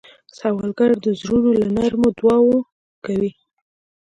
سوالګر د زړونو له نرمو دعا کوي